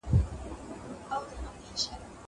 زه هره ورځ د کتابتوننۍ سره خبري کوم!!